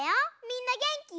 みんなげんき？